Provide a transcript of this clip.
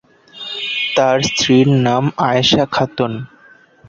তার স্ত্রীর নাম আয়েশা খাতুন।